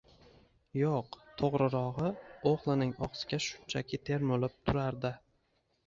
Yo`q, to`g`rirog`i, o`g`lining og`ziga shunchaki termulib turardi